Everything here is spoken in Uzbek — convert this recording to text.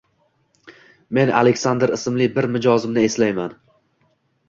Men Aleksandr ismli bir mijozimni eslayman